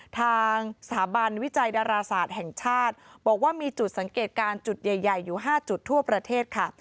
ทางสถาบันวิจัยดาราศาสตร์แห่งชาติบอกว่ามีจุดสังเกตการณ์จุดใหญ่อยู่๕จุดทั่วประเทศค่ะ